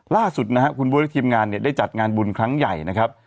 ล่าสุดบัวเล็กทีมงานได้จัดงานบุญครั้งใหญ่นะครับ